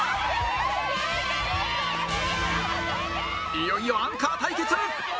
いよいよアンカー対決！